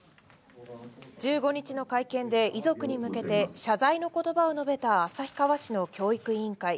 １５日の会見で遺族に向けて謝罪のことばを述べた旭川市の教育委員会。